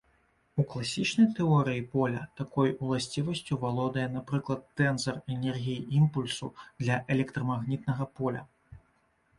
У класічнай тэорыі поля такой уласцівасцю валодае, напрыклад, тэнзар энергіі-імпульсу для электрамагнітнага поля.